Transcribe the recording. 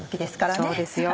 そうですよ。